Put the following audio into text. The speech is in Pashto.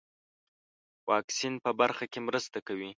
واکسین په برخه کې مرسته کوي.